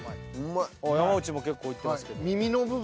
山内も結構いってますけど。